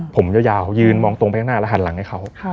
ผมยาวยืนมองตรงไปข้างหน้าแล้วหันหลังให้เขา